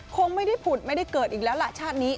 คงไม่ได้ผุดไม่ได้เกิดอีกแล้วล่ะชาตินี้